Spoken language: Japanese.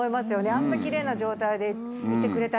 あんな奇麗な状態でいてくれたら。